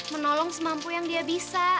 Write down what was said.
menolong semampu yang dia bisa